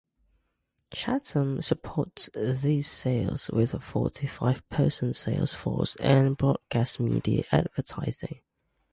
Chattem supports these sales with a forty-five-person sales force and broadcast media advertising.